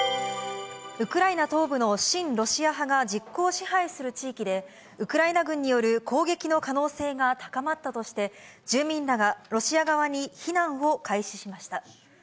ウクライナ東部の親ロシア派が実効支配する地域で、ウクライナ軍による攻撃の可能性が高まったとして、住民らがロシア側に避難を開始しました。